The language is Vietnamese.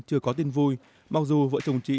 chưa có tin vui mặc dù vợ chồng chị